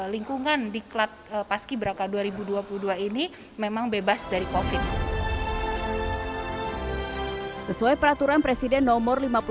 lingkungan di klat paski beraka dua ribu dua puluh dua ini memang bebas dari kofit sesuai peraturan presiden nomor